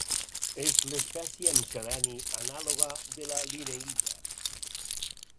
És l'espècie amb seleni anàloga de la linneïta.